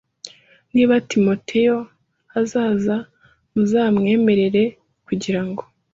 Niba Timoteyo azaza muzamwemere kugira ngo